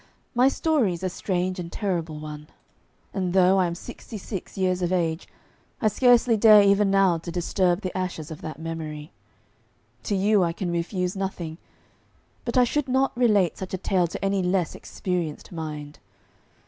My story is a strange and terrible one; and though I am sixty six years of age, I scarcely dare even now to disturb the ashes of that memory. To you I can refuse nothing; but I should not relate such a tale to any less experienced mind.